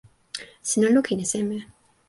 sina lukin e seme?